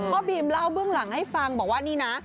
บีมเล่าเบื้องหลังให้ฟังบอกว่านี่นะ